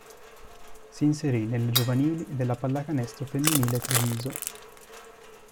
Si inserì nelle giovanili della Pallacanestro Femminile Treviso.